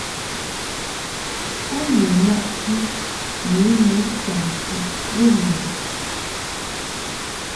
U ni naʼti yu nu chaŋti bə mɨ ?